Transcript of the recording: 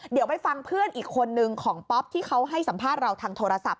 เดี๋ยวไปฟังเพื่อนอีกคนนึงของป๊อปที่เขาให้สัมภาษณ์เราทางโทรศัพท์